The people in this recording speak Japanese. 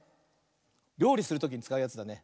りょうりするときにつかうやつだね。